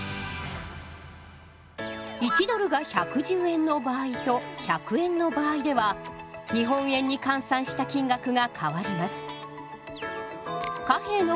１ドルが１１０円の場合と１００円の場合では日本円に換算した金額が変わります。